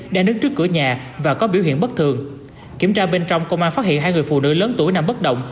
đang đứng trước cửa nhà và có biểu hiện bất thường kiểm tra bên trong công an phát hiện hai người phụ nữ lớn tuổi nằm bất động